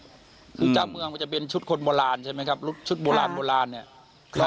คือเจ้าเมืองมันจะเป็นชุดคนโบราณใช่ไหมครับชุดโบราณโบราณเนี่ย